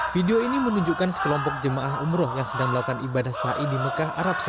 video ini menunjukkan sekelompok jemaah umroh yang sedang melakukan ibadah sa'i di mekah arab